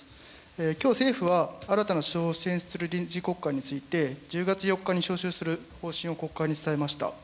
きょう、政府は新たな首相を選出する臨時国会について、１０月４日に召集する方針を国会に伝えました。